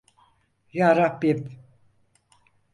Yarabbim!